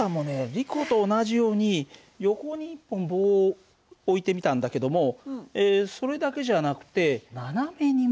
リコと同じように横に１本棒を置いてみたんだけどもそれだけじゃなくて斜めにも棒をつけたんだよね。